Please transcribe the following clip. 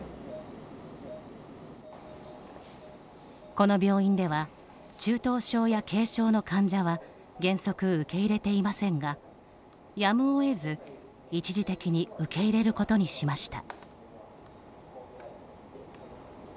この病院では中等症や軽症の患者は原則受け入れていませんがやむをえず、一時的に受け入れることにしました。